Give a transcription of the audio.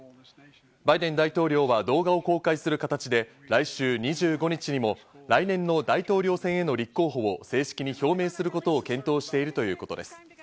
バイデン大統領は動画を公開する形で、来週２５日にも来年の大統領選への立候補を正式に表明することを検討しているということです。